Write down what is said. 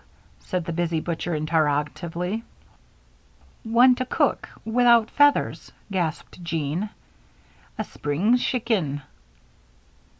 said the busy butcher, interrogatively. "One to cook without feathers," gasped Jean. "A spring schicken?"